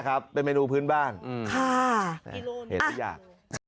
กไปถึงโทษภาพ